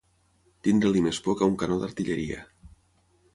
Tenir-li més por que a un canó d'artilleria.